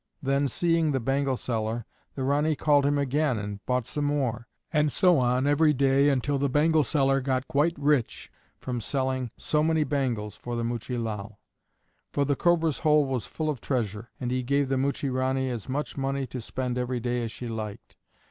Then, seeing the bangle seller, the Ranee called him again and bought some more, and so on every day until the bangle seller got quite rich from selling so many bangles for the Muchie Lal; for the Cobra's hole was full of treasure, and he gave the Muchie Ranee as much money to spend every day as she liked.